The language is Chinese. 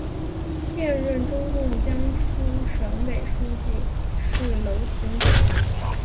现任中共江苏省委书记是娄勤俭。